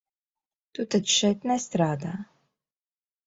Tu taču šeit nestrādā?